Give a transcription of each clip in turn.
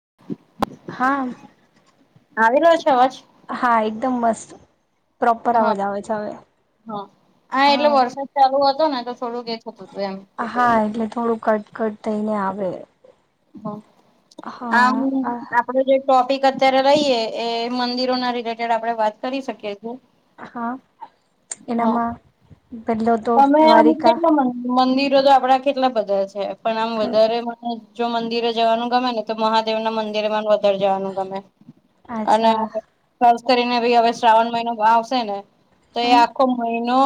[unintelligible] હા. આવેલો્યો છે અવાજ. હા એકદમ મસ્ત પ્રોપર હા અવાજ આવે છે હવે હા હા એટલે વરસાદ ચાલુ હતો ને તો થોડુંક એ થતું હતું એમ હા એટલે થોડું કટકટ થઈને આવે હા બોલ [unintelligible] આપે જે ટોપિક અત્યારે રહીએ એ મંદિરો ના રિલેટેડ આપડણે વાત કરી શકીએ છીએ. હા હા એનામાં પહેલો તો તમે આમ દ્વારિકા કેટલા મંદિરો તો આપડા કેટલા બધા છે પણ આમ વધારે જો મંદિરે જવાનું ગમે ને તો મહાદેવ ના મંદિરે મા મદિર જવાનું ગમે અને અચ્છા ખાસ કરીને ભી હવે શ્રાવણ મહિનો આવશે ને તો એ હમ આખો મહિનો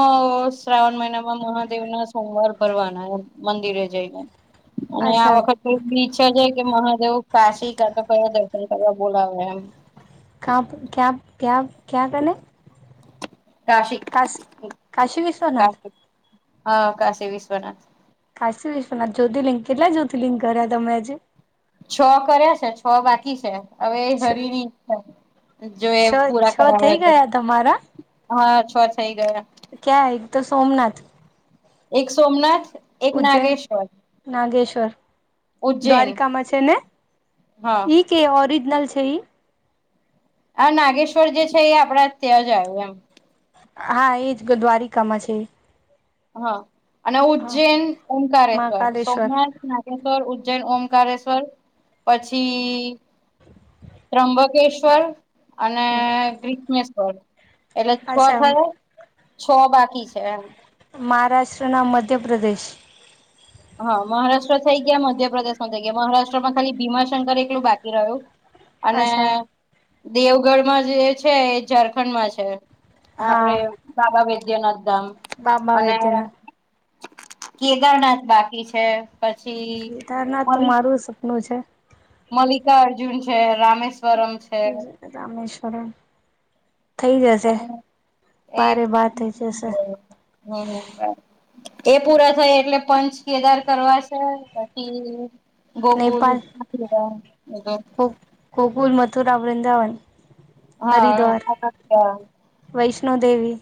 શ્રાવણ મહિનામાં મહાદેવ ના સોમવાર ભરવાના મંદિરે જઈને અને આ અચ્છા વખત બીછે છે કે મહાદેવ કાશી કા તો કયા દર્શન કરવા બોલાવે એમ કા ક્યા ક્યા ક્યા કરને કાશી વિશ્વનાથ કાશીાશી હા કાશી વિશ્વનાથ કાશી વિશ્વના જ્યોતિર્લિંગ કેટલા જ્યોતિર્લિંગ કર્યા તમે આજે. છો કરીયા છે છો બાકી છે, હવે છ હરી ની ઈચ્છા જો એ છ છ પૂરા કરાવે થઈ તો ગયા તમારા હા છો થઈ ગયા. ક્યાં એ તો સોમનાથ એક સોમનાથ એક ઉજ્જૈન નાગેશ્વર નાગેશ્વર ઉજ્જૈન દ્વારિકામાં છે ને હા ઈ કે ઓરિજનલ છે, આ નાગેશ્વર જે છે એ આપડા ત્યાં જ આવ એમ. હા એજ દ્વારિકામાં છે, હા અને હા ઉજ્જૈન ઓંકારેશ્વર મહાકાલેશ્વર સોમનાથ ના શ્વર ઉજ્જૈન ઓમકશ્વર પછી ત્ર્યુંબકેશ્વર અને ગ્રીસમસ હોય એટલે છો અચ્છા થયા. છો બાકી છે એમ મહારાષ્ટ્રના મધ્યપ્રદેશ. હા મહારાષ્ટ્ર થઈ ગયા મધ્યપ્રદેશ માં થઈ ગયા મહારાષ્ટ્રમાં ખાલી ભીમાશંકર એટલું બાકી રહ્યું. અને અચ્છા દેવગઢમાં જે છે એ ઝારખંડ માં છે, આપડે હા સાબા વૈદ્યનાથ ધામ બાબા અને વૈદ્યનાથ કેદારનાથ બાકી છે, પછી કેદારનાથ તો મલિક મારું સપનું છે, મલ્લિકા અ્જુન છે રામેશ્વરમ છે, [unintelligible] રામેશ્વરે [unintelligible] બાર થઈ જશે એ પૂરા થાય એટલે પંચ કેદાર કરવા છે પછી ગોગુલ એ [unintelligible] ગો ગોકુલ મથુરા વૃંદાવન. હા હરિદ્વાર હા [unintelligible] વૈષ્ણોદેવી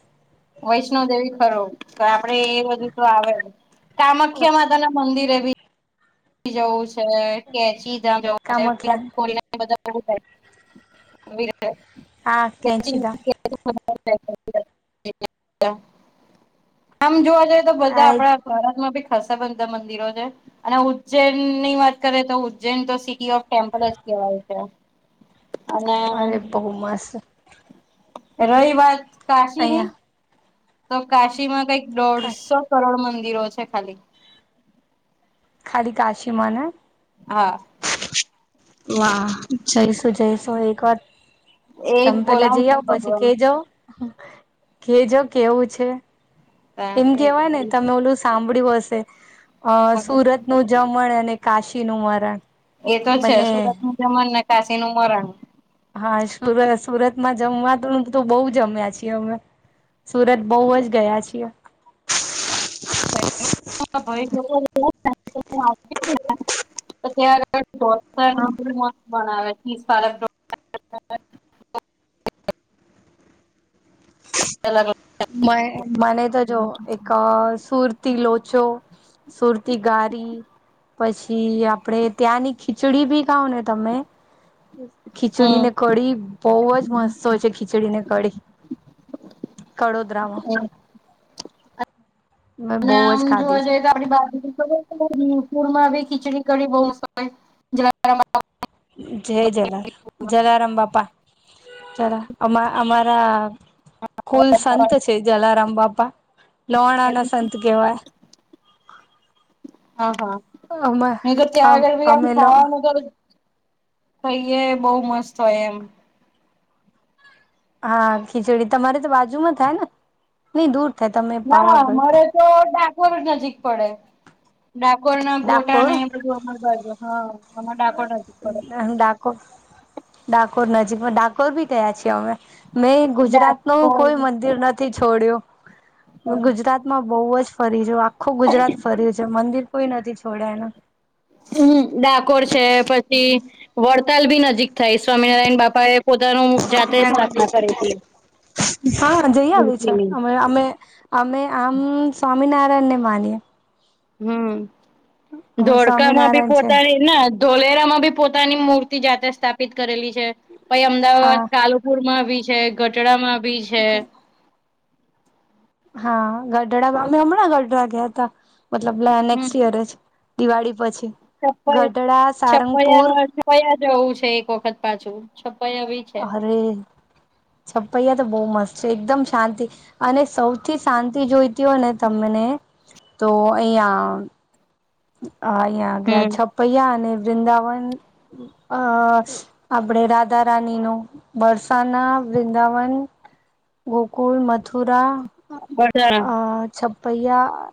વૈષ્ણો દેવી ફરો કે આપડે એ બધુ તો આવે. કામાખ્યા માતા ના મંદિર એ બી જવું છે કેચી ધામ જવું છે વિરાટ કામાખ્યા કોહલી ને બધા બહુ હોય હા કેન્ચીદા [unintelligible] [unintelligible] આમ જોવા જઈએ તો બધા આ આપણા ભરાતમાં ભી ખસેબંધા મંદિરો છે અને ઉ ઉજ્જૈન ની વાત કરીે તો ઉજ્જૈન તો સિટી ઓફ ટેમ્પલ જ કહેવાય છે. અને અરે બહુ મસ રહી વાત કાશી ની અહિયાં તો કાશીમાં કઈક દોઢસો કરોડ મંદિરો છે ખાલી. ખાલી કાશીમાન. હા. વાહ જઈશું જઈશુ એક વાર એ તમ પેલા જઈ બોલાવશે આવ પછી ભગવાન કે જો. કેજો કેવું છે એમ એ કેવાય ને તમે ઓલું સાંભળ્યું હશે અ સુરત નું જમણ અને કાશીનુ મરણ. એ તો છે બને સુરત નું જમણ ને કાશી નું મરણ. હા સુરત સુરતમાં જમવા તો તો બહુ જમ્યા છીએ અમે. સુરત બહુ જ ગયા છીએ. [unintelligible] તો ત્યાં [unintelligible] બનાવે [unintelligible] [unintelligible] મને મને તો જો એક આ સુરતી લોચો સુરતી ગારી. પછી આપડે ત્યાંની ખીચડી ભી ખાવો ને તમે ખીચડી ને હમ કઢી બહુ જ મસ્ત હોય છે ખીચડી ને કડી. કડોદ્રમાં. મેં અને બહુ આમ જ ખાધી જોવા છે. જઈએ તો આપડી બાજુ [unintelligible] પુર માં ખીચડી કાઢી [unintelligible] જય જલાર જલારમ બાપા જલ અ અમારા કુલ સંત છે જલારામ બાપા લોહણા ના સંત કેવાય. હા હા અમે ને તો અગર બી આમ અમે લો ખાવાનું [unintelligible] થઈએ બહુ મસ્ત હોય એમ. હા ખીચડી તમારે તો બાજુમાં થાય ને. નહી દૂર થાય તમ ના મરે તો ડાકોર નજીક પડે ડાકોર ના ગોટા ડાકોર ને [unintelligible] હા. અમાર ડાકોર નજીક પડે. ડાકોર ડાકોર નજીકમાં ડાકોર ભી ગયા છીએ અમે. મેં ગુજરાત નું ડાકોર કોઈ મંદિર નથી છોડ્યું હમ ગુજરાત માં બહુ જ ફરી છે આખું ગુજરાત ફર્યું છે મંદિર કોઈ નથી છોડાય એના. હમ્મ ડાકોર છે પછી વડતાલ ભી નજીક થાય સ્વામિનારાયણ બાપા એ પોતાનું જાતે સ્થાપના કરેલી હતી. હા જઈ આવે છે મૂર્તિની અમે અમે અમે આમ સ્વામિનારાયણ ને માનીએ. હમ અમે ધોળકા માં બી સ્વામિનારાયણ છે પોતાની ના ધોલેરા માં ભી પોતાની મૂર્તિ જાતે સ્થાપિત કરેલી છે પહી અમદાવાદ હા કાલુ પુર માં બી છે ગટડામાં બી છે [unintelligible] હા ગઢડા અમે હમણાં ગઢડા ગ્યાતા મતલબ લે નેક્સ્ટ યરે જ. દિવાળી પછી. છપ્પ ગઢડા સારંગપુર છપૈયા છપયા જવું છે એક વખત પાછું છપયા બી. છે. અરે છપૈયા તો બહુ મસ્ત છે એકદમ શાંતિ અને સૌ થી શાંતિ જોઈતી હોય ને તમને તો અહીયા. અ અહિયા ગે હમ છપૈયા અને વૃંદાવન અ આપડે રાધા રાની નું બરસાના વૃંદાવન ગોકુલ, મથુરા ખબર અ છ્પૈયા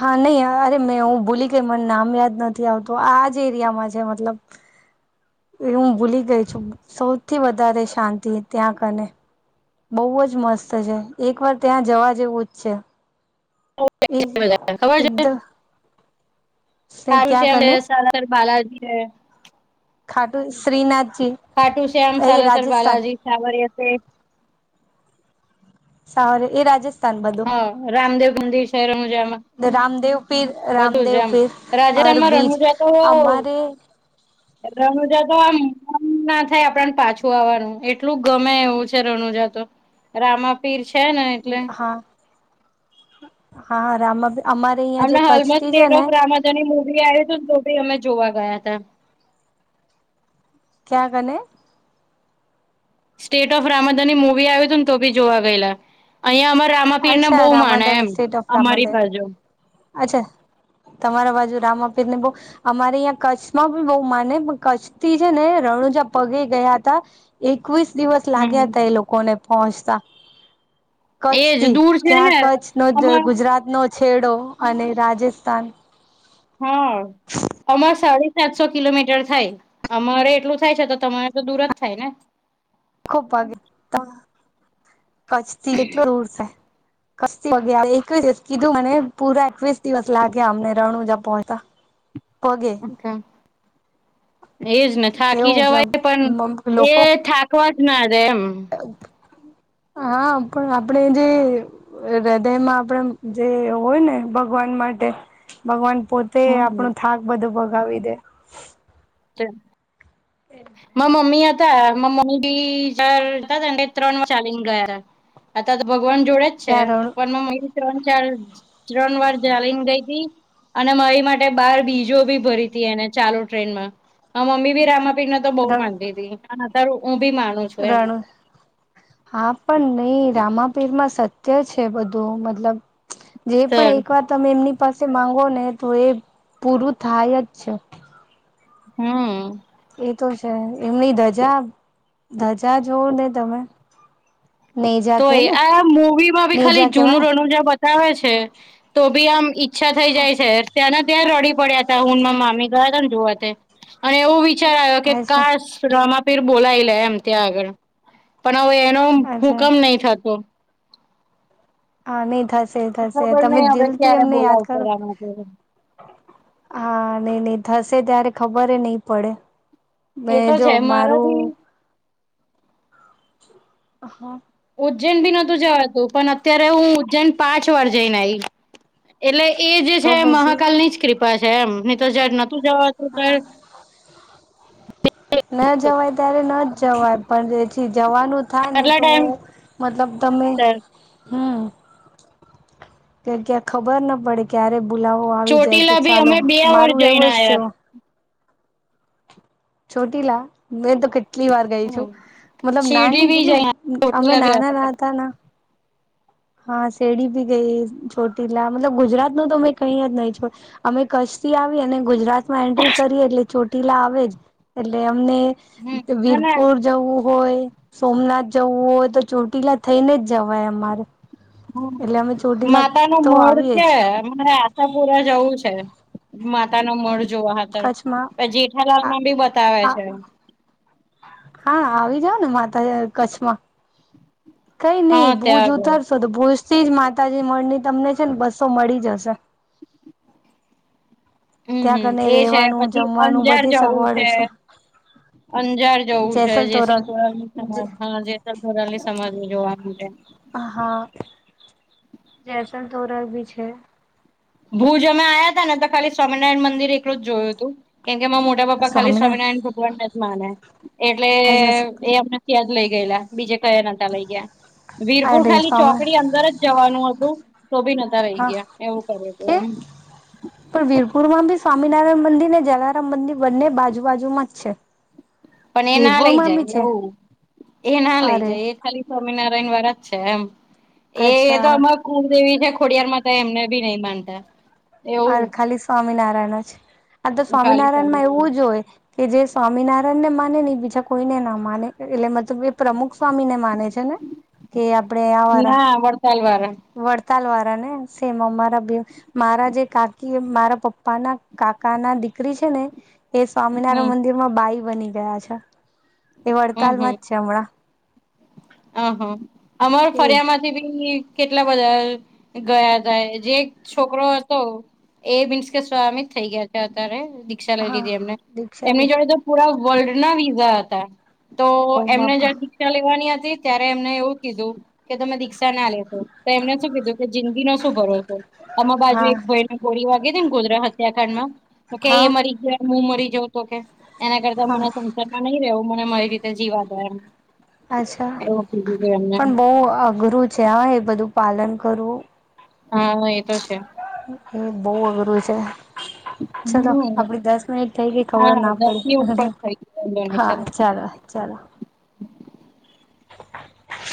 હા નહીં અરે મેં હું ભૂલી ગઈ મને નામ યાદ નથી આવતું આ જ એરિયામાં છે મતલબ. [inaudible] એ હું ભૂલી ગઈ છું સૌથી વધારે શાંતિ ત્યાં કને. બહુ જ મસ્ત છે એક વાર ત્યાં જવા જેવું જ છે. ઓ એ [unintelligible] ખબર છે. એકદમ સારું ક્યાં છે કને [unintelligible] બાલાજી. ખાટુ શ્રીનાથજી. પાાટુ શ્યામ, એ સાલાસર રાજસ્થાન બાલાજી, સાવરિયા શેઠ. સાવર એ રાજસ હા રામદેવ મંદિર છે રણુંજામાં. રામદેવ પીર બધું છે રામદેવ એમ પીર હર રાજસ્થાનમાં બીજ રણુજા તો અમારે રણુજા તો આમ આમ ના થાય આપણને પાછું આવવાનું એટલું ગમે એવું છે રણુજા તો. રામા પીર છે ને એટલે. હા હા રામા પી અમાર અમને હાલમાં સ્ટેટ ઓફ રામાધની મુવી આયુ તું ને તો ભી અમે જોવા ગયા હતા. ક્યાં કને. સ્ટેટ ઓફ રામઘની મુવી આવ્યું હતું ને તો બી જોવા ગયેલા. અહિયાં અમા રામાપીરને બહુ અચ્છા માને રામાદાન એમ સ્ટેટ ઓફ અમારી રામાદાન બાજુ. અચ્છા તમારા બાજુ રામપીર ને બહુ. અમારે અહિયા કચ્છમાં બી બહુ માને પણ કચ્છ થી છે ને રણુજા પગે ગયા હતા. એકવીસ દિવસ હમ લાગ્યા હતા એ લોકોને પહોંચતા. કચ્છ એજ થી દૂર છે ક્યાં ને કચ્છ નો જ અમાર ગુજરાત નો છેડો અને રાજસ્થાન હમ. અમારે સાડી સાતસો કિલોમીટર થાય અમારે એટલું થાય છે તો તમારે તો દૂર જ થાય ને. ખૂબ ભાગી તો કચ્છથી કેટલું દૂર છે. કચ્છ થી એકવીસ દિવસ કીધું મને પુરા એકવીસ દિવસ લાગ્યા અમને રણુંજા પહોંચતા. [unintelligible] પોગે ને એજ ને થાકી કેવું જવાય પણ મતલબ એ લોકો થાકવા જ ના દે એમ. હા પણ આપડે જે એ હૃદયમાં આપડે એમ જે હોય ને ભગવાન માટે ભગવાન પોત તે હમ આપણું થાક બધું ભગાવી દે. તે મા મમ્મી હતા મા મમ્મી [unintelligible] ત્રણવાર ચાલી ને ગયા હતા. આતા તો ભગવાન જોડે જ છે ક્યાં રણ પણ ત્રણ ચાર ત્રણ વાર જાલી ને ગઈ તી. અને મારી માટે બાર બીજો ભી ભરી હતી એને ચાલુ ટ્રેનમાં. હ મમ્મી રામાપીરને તો બોહ માનતી હતી અત્યારે ત હું ભી માનું છું એમ રણ હા પણ નહી રામાપીર માં સત્ય છે બધું મતલબ જે પણ એક વાર તમે એમની પાસે માંગો ને તો એ પૂરું થાય જ છે હમ એ તો છે એમની ધજા ધજા જોવું ને તમે નેજા કે તોય ને આ મુૂવી માં ભી ખાલી નેજા કેવાય જૂનું ને. રણુજા બતાવે છે તો ભી આમ ઈચ્છા થઈ હા, જાય છે ત્યાં ત્યાં રડી પડ્યા હતા હુ ને માંરા મામી ગયાતા ને જોવા તે અને એવું વિચાર આવ્યો કે અચ્છા કાસ રમાપીર બોલાય લે એમ ત્યાં આગળ પણ હવે એનો અચ્છા. હુકમ નહી થતો હા નહી થશે થશે ખબર તમે નઈ હવે દિલ થી ક્યારે એમને યાદ બોલાવશે કરો રામાપીર હા નઈ નઈ થશે ત્યારે ખબર નઈ પડે મે એ તો જો છે મારું મારાથી હા ઉજ્જૈન ભી નોતું જવાતું પણ અત્યારે હું ઉજ્જૈન પાંચ વાર જઈને આઈ એટલે એ જે તો છે પછી મહાકાલ ની જ કૃપા છે એમ ની તો જ નોતું જવાતું તો હા ન જવાય ત્યારે ન જ જવાય પણ જેથી જવાનું થાય ને આટલા તો ટાઈમ મતલબ તમે હમ. ક્યા ખબર ના પડે કે્યારે બુલાવો આવી જાય કે ચોટીલા બી ચાલો અમે બે વાર મારું એવો જઈને જ આવ્યા. થયો છોટી લા મે ત કેટલી વાર ગઈ હમ છું મતલબ શિરડી નાની બી કેટલી જઈ અમે ચોટીલા બી ગયા નાના હતા નાહતા ના. હા શેરડી ભી ગઈ ચોટીલા મતલબ ગુજરાત નું તો મે કઈ જ નહી છોડ અમે કચ્છ થી આવી અને ગુજરાત, એન્ટ્રી કરી એટલે ચોટીલા આવે જ એટલે અમને હમ. અને વીરપુર, જવું હોય, સોમનાથ જવું હોય, તો ચોટીલા થઈને જવાય અમારે હ એટલે અમે ચોટીલા માતા નો તો મઢ આવીએ છે. જ હા મારે આશાપુરા જવું છે માતા નું મઠ જોવા હાતર કચ્છમાં પ જેઠાલાલ આ માં બી બતાવે આ છે. હા આવી જાવ ને માતાજી કચ્છમાં કઈ નઈ હા ભુજ ત્યાં આગળ ઉતર તો તો ભુજ થી જ માતાજી મઢની તમને છે ને બસો મળી જશે. હમ ત્યાં હમ કને એ છે, રેવાનું પછી જમવાનું અંજાર બધી જવું સગવડ છે. અંજાર જવું છે જેસલ તોરલ જેસલતોરલ સમાઘી હા જેસલતોરલ ની સમાઘી ને જોવા માટે, હા જેસલ તોરલ ભી છે. ભુજ અમે આયા તા ને તો ખાલી સ્વામિનારાયણ મંદિર એકલું જ જોયું હતું કારણ કે એમાં મોં મોટા પપા ખાલી સ્વામિનારાયણ ભગવાનને જ માંને એટલે એ અમણાં ત્યાંજ લઇ ગયેલા. બીજે કયા નહતા લઈ ગયા વીરપુર અરે ખાલી સ્વામી ચોકડી અંદર જ જવાનું હતું. તોભી નોતા લઇ હા ગયા એવું કર્યું કે તું. પણ વીરપુર માં ભી સ્વામિનારાયણ મંદિર ને જલારામ મંદિર બંને બાજુબાજુમાં જ છે. પણ એ ના લઈ વીરપુરમાં જાય બી છે એવું એ ના લઈ અરે જાય એ ખાલી સ્વામિનારાયણ વાળા છે એમ એ તો અચ્છા અ કુળદેવી છે ખોડિયાર માં તો એમને ભી નહી માનતા. અરે એવું ખાલી સ્વામિનારાયણ છે આ તો ખાલી સ્વામિનારાયણ માં એવું જ હોય. કે જે સ્વામિનારાયણને માને ને એ બીજા કોઈને ના માને એટલે મતલબ એ પ્રમુખ સ્વામી ને માને છે ને, હમ. કે આપણે આ વાળા ના વર્ડતાલ વાળા, વડતાલ વાળા ને સેમ અમારા બે મારા જે કાકી મારા પપ્પા ના કાકા ના દીકરી છે ને એ સ્વામિનારાયણ હમ મંદિર, મા બાઈ બની ગયા છે એ હમ હમ. વડતાલમાં જ છે હમણાં. અહ અમાર એ ફરીયામાં જ થી બી કેટલા બધા ગયા હતાય જે એક છોકરો હતો. એ બીન્સ કે સ્વામિત થઈ ગયા છે અત્યારે દિક્ષા લઈ હા લીધી એમને દીક્ષા લે એમની જોડે તો પુરા વર્લ્ડ ના વિઝા હતા. તો ઓ એમને બાપા જયા દીક્ષા લેવાની હતી. ત્યારે એમને એવું કીધું કે તમે દીક્ષા ના લેતો. એમને શું કીધું કે જિંદગીનો શું ભરોસો આમાં બાજુ હા એક ભઇ ગોળી વાગે હતી ગોધરા હત્યાકાંડમાં તો કે હા એ મારી જ્યા હું મરી જવુ તો કે એના કરતા હા મને સંસદમાં નહી રહેવું મને મારી રીતે જીવા દો એમ અચ્છા એવું કીધું તું એમને પણ બહુ અઘરું છે હા એ બધું પાલન કરવું હા એ તો છે. હા એ બહુ અઘરું છે. ચલો હમ આપડી દસ મિનિટ થઈ ગઈ ખબર હા ના દસ પડી ની ઉપર થઈ ગયું હા ડોનેશન ચાલો ચાલો